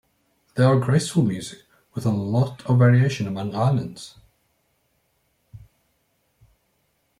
They are graceful music, with a lot of variation among islands.